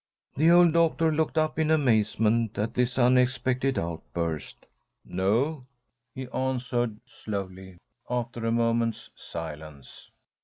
The old doctor looked up in amazement at this unexpected outburst. "No," he answered, slowly, after a moment's silence.